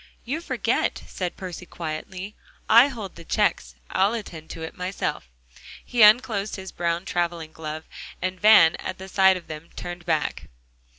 "You forget," said Percy quietly, "I hold the checks, I'll attend to it myself." He unclosed his brown traveling glove, and Van, at sight of them, turned back.